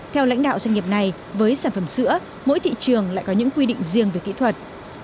theo lãnh đạo doanh nghiệp này với sản phẩm sữa mỗi thị trường lại có những quy định riêng về kỹ thuật